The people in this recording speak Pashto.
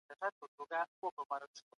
باید د ژوند ټول اړخونه په پام کي ونیول سي.